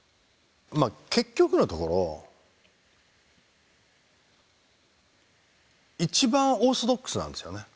まあ結局のところ一番オーソドックスなんですよね。